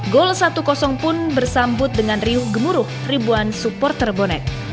gol satu pun bersambut dengan riuh gemuruh ribuan supporter bonek